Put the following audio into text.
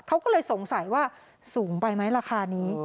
เขาก็เลยสงสัยว่าสูงไปไหมราคานี้